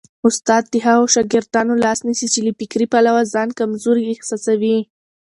استاد د هغو شاګردانو لاس نیسي چي له فکري پلوه ځان کمزوري احساسوي.